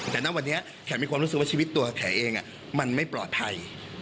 แต่ณวันนี้แขกมีความรู้สึกว่าชีวิตตัวแขกเองมันไม่ปลอดภัย